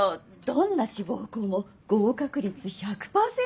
どんな志望校も合格率１００％だから。